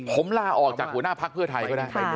ผมลาออกจากหัวหน้าพักเพื่อไทยก็ได้